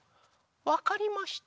わかりました。